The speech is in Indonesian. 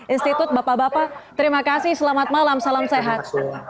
institut bapak bapak terima kasih selamat malam salam sehat